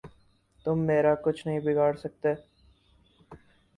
تم میرا کچھ نہیں بگاڑ سکتے۔